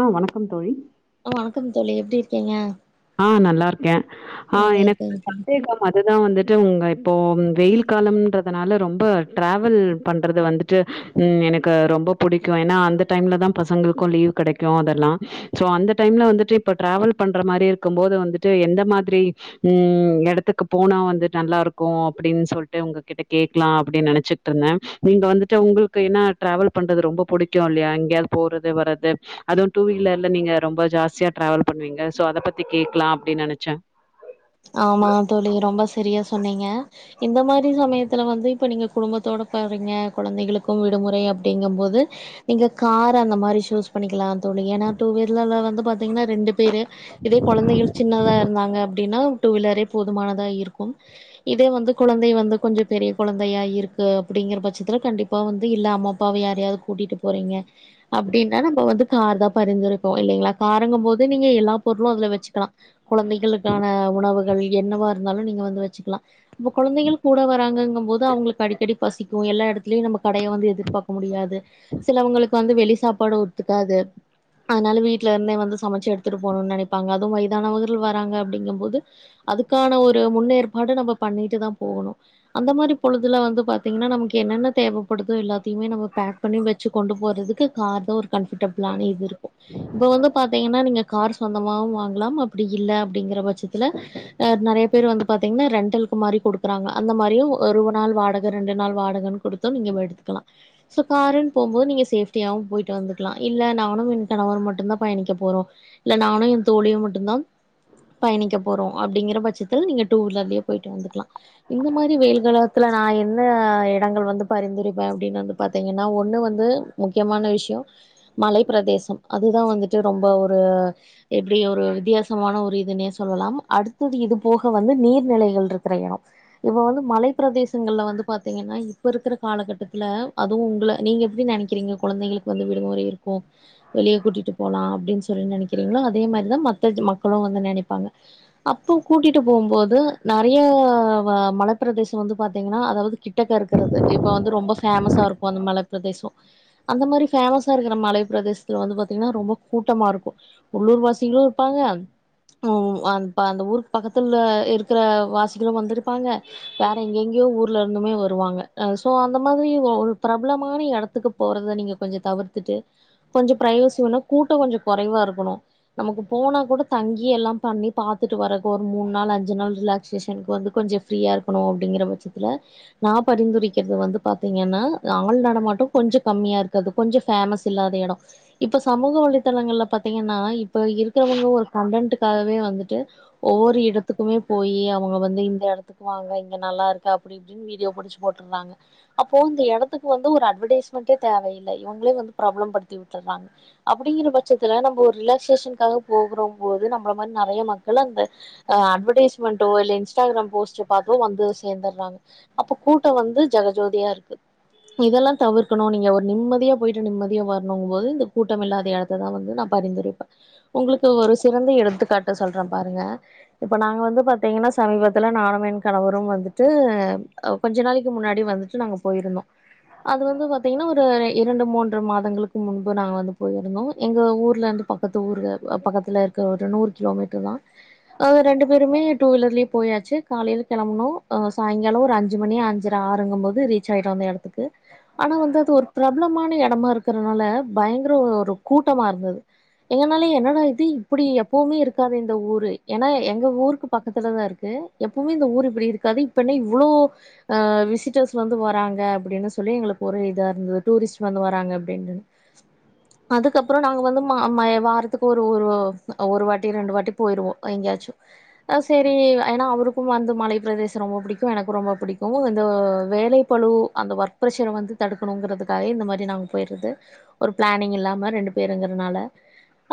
ஆ வணக்கம் தோழி ஆ வணக்கம் தோழி எப்டி இருக்கீங்க ஆ நல்லாருக்கே ஆ நல்லா எனக்கு இருக்கேங்க ஒரு தோழி சந்தேகம் அதுதா வந்துட்டு உங்க இப்போ வெயில் காலம்ன்றதுனால ரொம்ப டிராவல் பண்றது வந்து ட்டு எனக்கு ரொம்ப புடிக்க ஏனா அந்த டைம்ல தா பசங்களுக்கு லீவ் கெடைக்கு அதெல்லா சோ அந்த டைம்ல வந்துட்டு இப்ப டிராவல் பண்ற மாரி இருக்கு போது வந்துட்டு எந்த மாதிரி ம் எடத்துக்கு போனா வந்து நல்லாருக்கு அப்டினு சொல்லிட்டு உங்க கிட்ட கேக்கலா அப்டினு நெனச்சு ருந்தே நீங்க வந்துட்டு உங்களுக்கு என்ன டிராவல் பண்றது ரொம்ப புடிக்கு இல்லையா எங்கயாது போறது வர்றது அதுவு டூ வீலர்ல நீங்க ரொம்ப ஜாஸ்தியா டிராவல் பண்ணுவீங்க சோ அத பத்தி கேக்கலா அப்டினு நெனச்சே ஆமாங்க தோழி ரொம்ப சரியா சொன்னீங்க இந்த மாரி சமயத்துல வந்து இப்ப நீங்க குடும்பத்தோட போறீங்க கொழந்தைகளுக்கு விடுமுறை அப்டிங்கும்போது நீங்க காரு அந்த மாரி சுஸ் பண்ணிக்கிலா தோழி ஏன்னா டூ வீலர்ல வந்து பாத் த்தீங்கன்னா ரெண்டு பேரு இதே கொழந்தைகள் சின்னதா இருந்தாங்க அப்டின்னா அதே போதுமானதா இருக்கும் இதே வந்து குழந்தை வந்து கொஞ்சம் பெரிய குழந்தையா இருக்கு அப்புடிங்கிற பட்சத்துல கண்டிப் ப்பா வந்து இல்ல அம்மா அப்பாவை யாரையாவது கூட்டிட்டு போறீங்க அப்டின்னா நம்ப வந்து கார் தா பரிந்துரைப்போ இல்லைங்களா கருங்கும் போது நீங்க எல்லா பொருளும் அதுல வெச்சு குலா குழந்தைகளுக்கான வுகள் என்னவா இருந்தாலும் நீங்க வந்து வெச்சுக்குலா இப்ப குழந்தைகள் கூட வராங்கங்கும் போது அவங்களுக்கு அடிக்கடி பசிக்கும் எல்லா இடத்திலும் நம்ப கடைய வந்து எதிர்பாக்க முடியாது சிலவங்களுக்கு வந்து வெளி சாப்பாடு ஒருத்துக்காது அதனால வீட்ல இருந்தே வந்து சமைச்சு எடுத்துட்டு போணுன்னு நினைப்பாங்க அதுவு வயதானவர்கள் வராங்க அப்டிங்கும் போது அதுக்கான ஒரு முன்னேற்பாடு நம்ப பண்ணிட்டு தான் போகணும் அந்த மாதிரி பொழுதுல வந்து பாத்தீங்கன்னா நமக்கு என்னென்ன தேவைப்படுதோ எல்லாத்தையுமே நம்ம பேக் பண்ணி வெச்சு கொண்டு போறதுக்கு கார் தான் ஒரு கம்ஃபோர்டபுலான இது இருக்கும் இப்ப வந்து பாத்தீங்கன்னா நீங்க கார் சொந்தமாவும் வாங்குலாம் அப்புடி இல்ல அப்புடிங்கிற பட்சத் துல அ நெறைய பேரு வந்து பாத்தீங்கன்னா ரெண்டலக்கு மாரி குடுக்குறாங்க அந்த மாரியும் ஒரு உ நாள் வாடக் க ரெண்டு நாள் வாடகன் குடுத்து நீங்க வ எடுத்துக்கலாம் சோ காருன் போம்போது நீங்க சேஃப்டியாகவும் போயிட்டு வந்துக்குலாம் இல்ல நானும் என் கணவர் மட்டும் தான் பயணிக்க போறோ இல்ல நானும் என் தோழியு மட்டும் தான் பயணிக்கப் றோ அப்டிங்கிற பட்சத்தில் நீங்க டூ வீலர்லயே போயிட்டு வந்துக்குலா இந்த மாரி வெயில் கலத்துல நான் என்ன இடங்கள் வந்து பரிந்துரைப்பன் அப்புடின்னு வந்து பாத்தீங்கன்னா ஒன்னு வந்து முக்கியமான விஷயோ மலை பிரதேசம் அதுதான் வந்துட்டு ரொம்ப ஒரு எப்புடி ஒரு வித்தியாசமான ஒரு இதுன்னே சொல்லலாம் அடுத்தது இது போக வந்து நீர் நிலைகள்ட்ருக்குற இடம் இப்ப வந்து மலை பிரதேசங்கள்ல வந்து பாத்தீங்கன்னா இ இப்ப இருக்குற காலகட்டத்துல அதுவும் உங்குள நீங்க எப்புடி நெனைக்கிறீங்க குழந்தைங்களுக்கு வந்து விடுமுறை இருக் கு வெளியே கூட்டிட்டு போலா அப்டின் சொல்லி நினைக் க்கிறீங்களோ அதே மாரிதான் மத்த ஞ் மக்களும் வந்து நினைப்பாங்க அப்போ கூட்டிட்டு போகும்போது நெறைய வ மலைப்பிரதேசம் வந்து பாத்தீங்கன்னா அதாவது கிட்டக்க இருக்குறது இப்போ வந்து ரொம்ப ஃபேமஸா இருக்கும் அந்த மலைப்ப பிரதேசோ அந்த மாரி ஃபேமஸா இருக்கிற மலைப்ப பிரதே ஸ் துல வந்து பத்தீங்கன்னா ரொம்ப கூட்டமா இருக்கும் உள்ளூர் வாசிகளும் இருப்பாங்க ம் அந் இப்ப அந்த ஊருக்கு பக்கத்துல இருக்குற வாசிகளும் வந்துருப்பாங்க வேற எங்கெங்கேயோ ஊர்ல இருந்துமே வருவாங்க அ சோ அந்த மாதிரி ஒ ஒரு பிரபலமான எடத்துக்குப் போறத நீங்க கொஞ்ச தவிர்த்துட்டு கொஞ்சம் பிரைவசி வேண்னா கூட்டம் கொஞ்சம் கொறைவா இருக்கணும் நமக்கு போனா கூட தங்கி கி எல்லாம் பண்ணி பாத்துட்டு வர்றதுக் ஒரு மூணு நாள் அஞ்சு நாள் ரிலாக்சேஷனுக்கு வந்து கொஞ்சம் ஃப்ரீயா இருக்கணும் அப்டிங்கிற பட்சத்துல நான் பரிந்துரைக்கிறது வந்து பாத்தீங்கன்னா ஆள் நடமாட்டும் கொஞ்சம் கம்மியா இருக்கறது கொஞ்சம் ஃபேமஸ் இல்லாத இடம் இப்ப சமூக வலைத்தளங்கள்ல பாத் த்தீங்கன்னா இப்ப இருக்கிறவங்க ஒரு கண்டன்டுக்காகவே வந்துட் ட்டு ஒவ்வொரு இடத்துக்குமே போய் அவங்க வந்து இந்த எடத்துக்கு வாங்க இங்க நல்லா இருக்கு அப்புடின் ட்ரு வீடியோ புடிச்சு போட்ருந்தாங்க அப்போ இந்த எடத்துக்கு வந்து ஒரு அட்வர்டைஸ்மெண்டே தேவயில்லை இவங்களே வந்து ப்ராப்ளம் படி தி விட்டுட்றாங்க அப்புடிங்கிற பட்சத்துல நம்போ ஒரு ரிலாக்சேஷன்காக போகுறம் போது நம்புள மாரி நறைய மக் துல அந்த ஆ அட்வர்டைஸ்மென்டோ இல்ல இன்ஸ்டாகிராம் போஸ்ட்ட பாத்தூ வந்து சேந்துட்றாங்க அப்ப கூட்டோ வந்து ஜெகஜோதியா இருக்கு இதெல்லா தவிர்க்கணு நீங்க ஒரு நிம்மதியா போயிட்டு நிம்மதியா வரணும் போது இந்த கூட்டம் இல்லாத இடத்த தா வந்து நா பரிந்துரைப்பே உங்களுக்கு ஒரு சிறந்த எடுத்துக்காட்ட சொல்றே பாருங்க இப்ப நாங்க வந்து பாத்தீங்கன்னா சமீபத்துல நாணும் என் கணவரும் வந்துட்டு கொஞ்ச நாளைக்கு முன்னாடி வந்துட்டு நாங்க போயிருந்தோ அது வந்து பாத்தீங்கனா ஒரு இரண்டு மூன்று மாதங்களுக்கு முன்பு நாங்க வந்து போயிருந்தோ எங்க ஊர்லருந்து பக்கொ இப்பத்து ஊர்க அ பக்கத்ல இருக்ற ஒரு நூறு கிலோமீட்டர் தா நாங்க ரெண்டு பேருமே டூ வீலர்லே போயாச்சு காலைல கெளம்னோ சாயங்காலொ ஒரு அஞ்சு மணி அஞ்சற ஐஞ்சர ஆறுங்கு போது ரீச் ஆயிட்டோ அந்த எடத்துக்கு ஆனா வந்து அது ஒரு பிரபலமான எடமா இருக்கறனால பயங்கர ஒரு கூட்டமா இருந்தது எங்கனாலே என்னாடா இது இப்டி எப்பவுமே இருக் இருக்காது இந்த ஊரு ஏனா எங்க ஊருக்கு பக்கத்துல தா இருக்கு எப்போமே இந்த ஊரு இப்டி இருக்காது இப்ப என்ன இவ்ளோ அ விசிட்டர்ஸ் வந்து வராங்க அப்டின்னு சொல்லி எங்களுக்கு ஒரு இதா இருந்தது டூரிஸ்ட் வந்து வராங்க அப்டின்னு அதுக்கப்பரோ நாங்க வந்து மா ம வாரத்துக்கு ஒரு ஒரு ஒரு வாட் டி ரெண்டு வாட்டி போயிருவோ எங்கயாச்சு அ சரி ஏனா அவருக்கும் வந்து மலை பிரதேச ரொம்ப புடிக்கு எனக்கு ரொம்ப புடிக்கு இந்த வேலை பளு அந்த ஒர்க்ப்ரெஷர வந்து தடுக்கணுங்கறதுக்காயே இந்த மாரி நாங்க போய்றது ஒரு பிளானிங் இல்லாம ரெண்டு பேருங்குறனால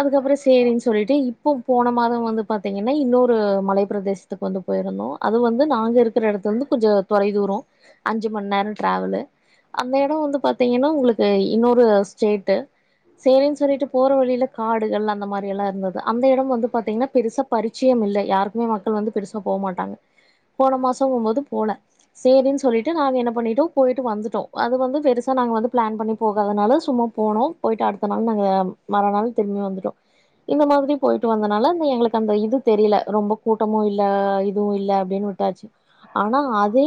அதுக்கப்பரோ செரின்னு சொல்லிட்டு இப்ப போன மாதம் வந்து பா்த்தீங்கனா இன்னொரு மலை பிரதேசத்துக்கு வந்து போயிருந்தோ அது வந்து நாங்க இருக் இருக்கிற எடத்துலந்து கொஞ்சொ தொலை தூரோ அஞ்சு மண் நேரோ டிராவலு அந்த எடொ வந்து பாத்தீங்கனா ஒங்களுக்கு இன்னொரு சொ சேட்டு சேரின்னு சொல்லிட்டு போற வழில காடுகள் அந்த மாரிலா இருந்தது அந்த எடம் வந்து பாத்தீங்கனா பெருசா பரிச்சயம் இல்ல யாருக்குமே மக்கள் வந்து பெருசா போ மாட்டாங்க போன மாசகும்போது போன சேரின்னு சொல்லிட்டு நாங்க என்ன பண்ணிட்டோ போயிட்டு வந்துட்டோ அது வந்து பெருசா நாங்க வந்து பிளான் பண்ணி போகாதனால சும்மா போனோ போயிட்டு அடுத்த நாள் நாங்க மறாநாள் திரும்பி வந்துட்டோ இந்த மாதிரி போயிட்டு வந்தனால அது எங்களுக்கு அந்த இது தெரில ரொம்ப கூட்டமு இல்ல இதுவு இல்ல அப்டின்னு விட்டாச்சு ஆனா அதே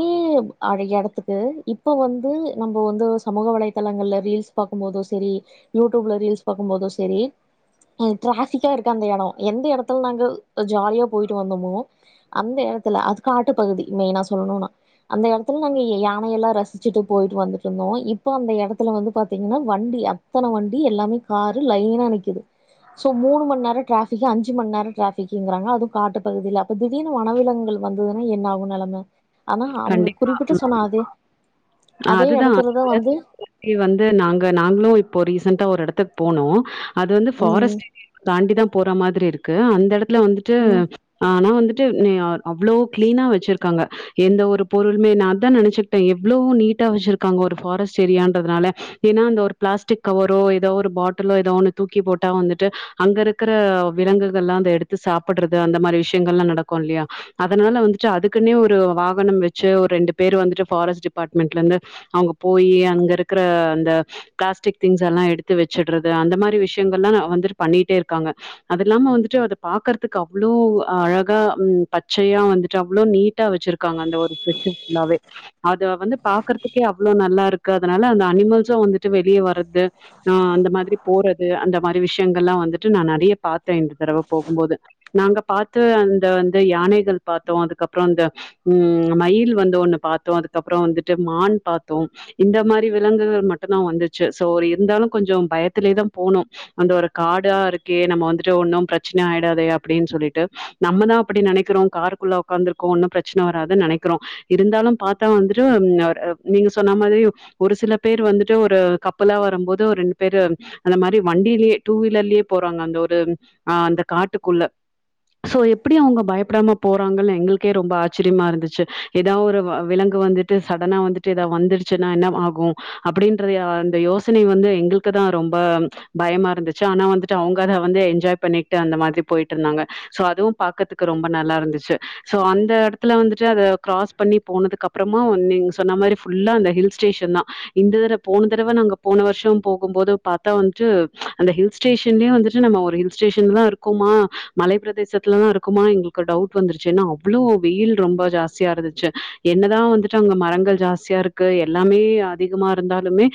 அழ எடத்துக்கு இப்ப வந்து நம்ம வந்து சமூக வலை தலங்கள்ல ரீல்ஸ் பாக்கும்போது சேரி யூ டியூப் ல ரீல்ஸ் பாக்கு போது சரி ட்ராபிக்கா இருக்கு அந்த எடோ எந்த எடத்துல நாங்க ஜாலியா போயிட்டு வந்தோமோ அந்த எடத்துல அதுக்கான காட்டு பகுதி மெயினா சொல்லனுனா அந்த எடத்துல நாங்க யானையெல்லா ரசிச்சுட்டு போயிட்டு வந்துட்டு இருந்தோ இப்ப இப்போ அந்தஎடத்துல வந்து பாத்தீங்கனா வண்டி அத்தன வண்டி எல்லாமே காரு லைனா நிக்குது சோ மூணு மணி நேரோ அஞ்சுமணி நேரோ டிராபிகிங்றாங்க அது காட்டு பகுதில இப்ப திடீர்னு வனவிலங்குகள் வந்ததுனா என்ன ஆகு நெலம ஆனா அவுங்க கண்டிப்பா. குறிப்பிட்டு ம். சொன்ன அதே அதே எடத்துலதா வந்து ஓகே வந்து நாங்க நாங்களு இப்போ ரீசண்ட்டா ஒரு எடத்துக்கு போனோ அது வந்து ஃபாரஸ்ட் ஏரியாவ தாண்டி தா போற மாரி இருக்கு அந்த எடத்துல வந்துட்டு ம் ஆனா வந் ட்டு [unintelligible] அவ்ளோ கிளீனா வச்சிருக்காங்க எந்தஒரு பொருள்மே நா அதா நெனைச்சுக்கிட்டே எவ்ளோ நீட்டா வச்சிருக்காங்க ஒரு ஃபாரஸ்ட் ஏரியன்றதுனால ஏனா அந்த ஒரு பிளாஸ்டிக் கவரோ ஏதா ஒரு பாட்டலோ ஏதோ ஒண்ணு தூக்கி போட்டா வந்துட்டு அங்க இருக்குற விலங்குகள்லா அத எடுத்து சாப்டுறது அந்த மாரி விஷயங்களலா நடக்கு இல்லயா அதனால வந்துட்டு அதுக்குன்னே ஒரு வாகனம் வச்சு ஒரு ரெண்டு பேர் வந்துட்டு ஃபாரஸ்ட் டிபார்ட்மெண்ட்லெந்து அங்க போயி அங்க இருக்குற அந்த பிளாஸ்டிக் திங்ஸ்ல்லா எடுத்து வச்சிடுறது அந்த மாரி விஷயங்கள்லா வந்துட்டு பண்ணிட்டே இருக்காங்க அதுல்லாம வந்துட்டு அத பாக்குறதுக்கு அவ்ளோ அழ கா ம் பச்சையா வந்துட்டு அவ்ளோ நீட்டா வச்சிருக்காங்க அந்த ஒரு செக்‌ஷன் ஃபுல்லாவே அத வந்து பாக்றதுக்கே அவ்ளோ நல்லாருக்கு அதனால அந்த அனிமல்ஸும் வந்துட்டு வெளியே வர்றது அ அந்த மாதிரி போறது அந்த மாரி விஷயங்கள்லா வந்துட்டு நா நெறைய பாத்தே இந்த தடவ போகும்போது நாங்க பாத்து அந்த வந்து யானைகள் பாத்தோ அதுக்கப்பறொ அந்த ம் மயில் வந்து ஒண்ணு பாத்தோ அதுக்கப்புறோ வந்துட்டு மான் பாத்தோ இந்த மாரி விலங்குகள் மட்டுந்தா வந்துச்சு சோ ஒரு இருந்தாலு கொஞ்ச பயத்திலயே தா போனோ அந்த ஒரு காடா இருக்கே நம்ம வந்துட்டு ஒன்னு பிரச்சனை ஆயிடாதே அப்டின்னு சொல்லிட்டு நம்மதா அப்டி நெனைக்கிறோ காருக்குள்ள உக்காந்துருக்கோ ஒன்னு பிரச்சனை வராதுன் நெனைக்கிறோ இருந்தாலு பாத்தா வந்துட்டு நீங்க சொன்னா மாரி ஒரு சில பேரு வந்துட்டு ஒரு கப்பலா வரும் போது ஒரு ரெண்டு பேரு அந்த மாரி வண்டியிலேயே டூ வீலர்லியே போறாங்க அந்த ஒரு ஆ அந்த காட்டுக்குள்ள சோ எப்டி அவுங்க பயப்படாம போறாங்கன் எங்களுக்கே ரொம்ப ஆச்சரியமா இருந்துச்சு ஏதா ஒரு விலங்கு வந்துட் டு சடனா வந்துட்டு ஏதா வந்துடுச்சின்னா என்ன ஆகு அப்டின்றது அந்த யோசனை வந்து எங்களுக்குதா ரொம்ப பயமா இருந்துச்சு ஆனா வந்துட்டு அவுங்க அத வந்து என்ஜாய் பண்ணிக்ட்டு அந்த மாரி போயிட்டுருந்தாங்க சோ அதுவு பாக்கத்துக்கு ரொம்ப நல்லாருந்துசு சோ அந்த எடத்துல வந்துட்டு அத கிராஸ் பண்ணி போனதுக்கு அப்பறமா வந் நீங்க சொன்ன மாரி ஃபுல்லா அந்த ஹில் ஸ்டேஷன் தா இந்த தடவ போன தடவ நாங்க போன வருஷ போகும் போது பாத்தா வந்துட்டு அந்த ஹில்ஸ் ஸ்டேஷன்லே வந்துட்டு நம்ம ஒரு ஸ்டேஷன்லா இருக்கோமா மலை பிரே தேசத்துலதா இருக்குமா எங்களுக்கு டவுட் வந்துருச்சி ஏன்னா அவ்ளோ வெயில் ரொம்ப ஜாஸ்தியா இருந்துச்சு என்னதா வந்துட்டு அங்க மரங்கள் ஜாஸ்தியா இருக்கு எல்லாமே அதிகமா இருந்தாலுமே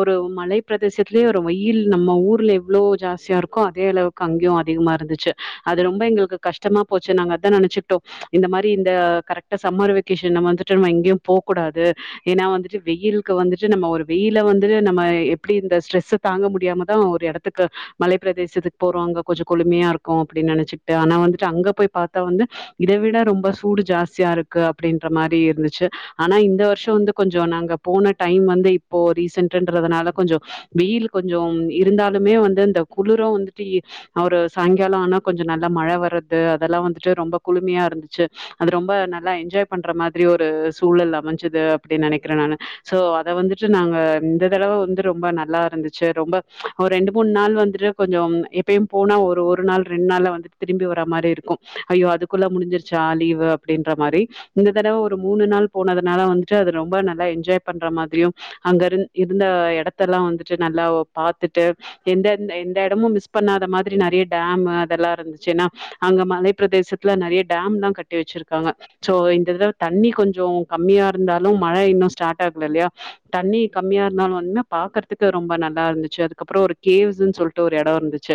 ஒரு மலை பிரதேசத்துலயே ஒரு வெயில் நம்ம ஊர்ல எவ்ளோ ஜாஸ்தியா இருக்கோ அதே அளவு க்கு அங்கயு அதிகமா இருந்துச்சு அ து ரொம்ப எங்களுக்கு கஷ்டமா போச்சு நாங்க அதா நெனச்சிப்டோ இந்த மாரி இந்த கரெக்டா சம்மர் வெகேஷன் நம்ம வந்துட்டு நம்ம எங்கியு போ கூடாது ஏன்னா வந்துட்டு வெயிலுக்கு வந்துட்டு நம்ம ஒரு வெயில வந்து நம்ம எப்டி இந்த ஸ்ட்ரெஸ தாங்க முடியாமதா ஒரு இடத்துக்கு மலைப் பிரதேசத்துக்கு போறோ அங்க கொஞ்ச குளுமையா இருக்கோ அப்டின் நென ச்சிக்ட்ட ஆனா வந்துட்டு அங்க போய் பாத்தா வந்து இத விட ரொம்ப சூடு ஜாஸ்தியா இருக்கு அப்டின்ற மாரி இருந்துச்சு ஆனா இந்த வருஷோ வந்து கொஞ்சோ நாங்க போன டைம் வந்து இப்போ ரீசன்டுன்றதுனால கொஞ்சோ வெயிலு கொஞ்சோ இருந்தாலுமே வந்து அந்த குளுரு வந்துட்டு இ அவரு சாயங்கால ஆனா கொஞ்சோ நல்லா மழ வர்றது அதெல்லா வந்துட்டு ரொம்ப குளுமையா இருந்துச்சு அது ரொம்ப நல்லா என்ஜாய் பண்ற மாதிரி ஒரு சூழல் அமைஞ்சுது அப்டின் நெனைக்கிற நானு சோ அத வந்துட்டு நாங்க இந்த தடவ வந்து ரொம்ப நல்லா இருந்துச்சு ரொம்ப ஒரு ரெண்டு மூண் நாள் வந்துட்டு கொஞ்சோ எப்பயும் போனா ஒரு ஒரு நாள் ரெண் நாள்ள வந்துட்டு திரும்பி வர மாரி இருக்கு ஐயோ அதுக்குள்ள முடிஞ்சிருச்சா லீவ் அப்டின்ற மாரி இந்த தடவ ஒரு மூணு நாள் போனதுனால வந்துட்டு அது ரொம்ப நல்லா என்ஜாய் பண்ற மாதிரியும் அங்க இரு இருந்த எடத்தெல்லா வந்துட்டு நல்லா பாத்துட்டு எந்த எந்த எந்த எடமும் மிஸ் பண்ணாத மாதிரி நெறைய டேமு அதெல்லா இருந்துச்சுன்னா அங்க மலைப்பிரதேசத்துல நெறைய டேம்ல்லா கட்டி வச்சிருக்காங்க சோ இந்த இதுல தண்ணி கொஞ்சோ கம்மியா இருந்தாலு மழை இன்னு ஸ்டார்ட் ஆகல இல்லையா தண்ணி கம்மியா இருந்தாலு வந்துமே பாக்கறதுக்கு ரொம்ப நல்லா இருந்துச்சு அதுக்கப்றோ ஒரு கேவுஸு சொல்ட்டு ஒரு எடோ இருந்துச்சு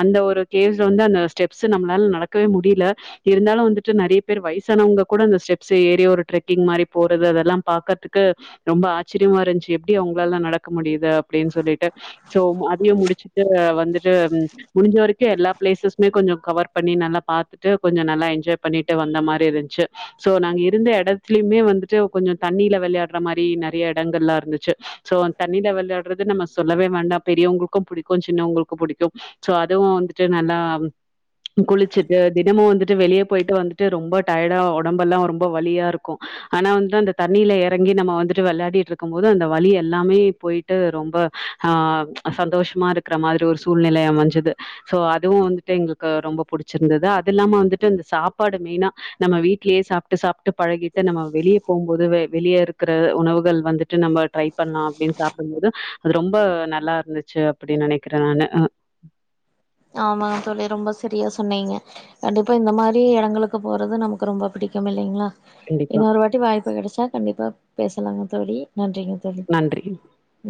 அந்த ஒரு கேவுஸ்ல வந்து அந்த ஸ்டெப்ஸ் நம்மளால நடக்கவே முடியல இருந்தாலும் வந்துட்டு நறைய பேரு வயசானவங்க கூட அந்த ஸ்டெப்ஸ ஏறி ஒரு ட்ரெக்கிங் மாரி போறது அதெல்லாம் பாக்கற்துக்கு ரொம்ப ஆச்சரியமா இருந்ச்சு எப்டி அவுங்களால நடக்க முடிது அப்டின்னு சொல்லிட்டு சோ அதையும் முடிச்சுட்டு வந்துட்டு முடிஞ்ச வரைக் கு எல்லா பிளேசஸுமே கொஞ்சோம் கவர் பண்ணி நல்லா பாத்துட்டு கொஞ்சோ நல்லா என்ஜாய் பண்ணிட்டு வந்த மாரி இருந்ச்சு சோ நாங்க இருந்த இடத்துலயுமே வந்துட்டு கொஞ்சோம் தண்ணியில விளையாட்ற மாரி நறிய எடங்கள்லா இருந்துச்சு சோ அந்தண்ணில வளையாடுறது நம்ப சொல்லவே வேண்டா பெரியவுங்களுக்கு புடிக்கும் சின்னவுங்களுக்கு புடிக்கும் சோ அதுவும் வந்துட்டு நல்லா குளிச்சிட்டு தினமு வந்துட்டு வெளிய போயிட்டு வந்துட்டு ரொம்ப டயடா ஒடம்பெல்லாம் ரொம்ப வலியா இருக்கு ஆனா வந்துட்டு அந்த தண்ணியில எறங்கி நம்ப வந்துட்டு விளையாடிட்ருக்கும் போது அந்த வலி எல்லாமே போயி ட்டு ரொம்ப அ சந்தோஷமா இருக்கிற மாரி ஒரு சூழ்நிலை அமைஞ்சது சோ அதுவும் வந்துட்டு எங்களுக்கு ரொம்ப புடிச்சிருந்தது அது இல்லாம வந்துட்டு அந்த சாப்பாடு மெயினா நம்ப வீட்லயே சாப் சாப்ட்டு சாப்ட்டு பழகிட்டு நம்ம வெளிய போமோது வெளிய இருக்குற உணவுகள் வந்துட்டு நம்ம ட்ரை பண்ணா அப்டின்னு சாப்பிடும்மோது அது ரொம்ப நல்லா இருந்துச்சு அப்டின் நனைக்கிறேன் நானு ஆமாங்க தோழி ரொம்ப சரியா சொன்னீங்க கண்டிப்பா இந்த மாரி எடங்களுக்கு போறது நமக்கு ரொம்ப புடிக்கும் இல்லைங்களா கண்டிப்பா. இன்னொரு வாட்டி வாய்ப்பு கெடச்சா கண்டிப்பா பேசலாங்க தோழி நன்றிங்க தோழி நன்றி.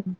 ம்